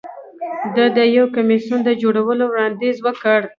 ده د یو کمېسیون د جوړېدو وړاندیز وکړ.